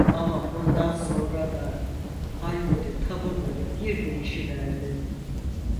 Ama bundan sonra da halleri tavırları bir değişiverdi.